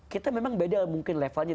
kita memang beda mungkin levelnya